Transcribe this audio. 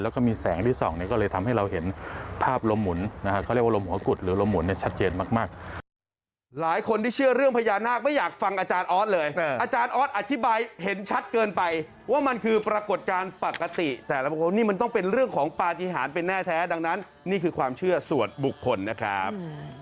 แล้วก็มีแสงที่ส่องเนี่ยก็เลยทำให้เราเห็นภาพลมหมุนนะครับเขาเรียกว่าลมหัวกุฎหรือลมหมุนเนี่ยชัดเจนมาก